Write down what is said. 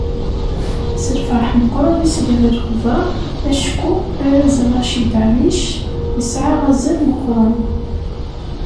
S lferḥ meqqren i sliɣ i lexbar, acku arraz Racid Ɛellic yesɛa azal meqqren.